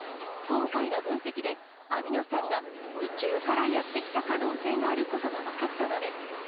今回の分析で、アミノ酸が宇宙からやって来た可能性があることが分かったのです。